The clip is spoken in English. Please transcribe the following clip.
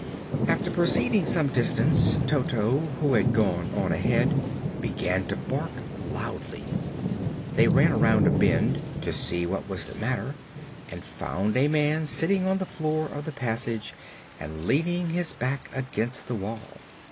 After proceeding some distance, Toto, who had gone on ahead, began to bark loudly. They ran around a bend to see what was the matter and found a man sitting on the floor of the passage and leaning his back against the wall.